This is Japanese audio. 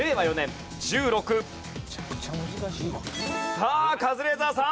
さあカズレーザーさん。